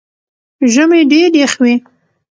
ژمئ ډېر يخ وي